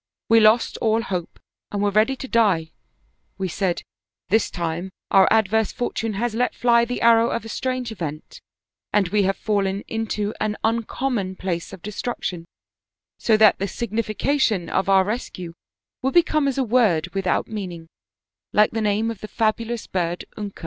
" We lost all hope and were ready to die ; we said :' This time our adverse fortune has let fly the arrow of a strange event, and we have fallen into an uncommon place of de struction, so that the signification of our rescue will be come as a word without meaning, like the name of the fabulous bird Unka.'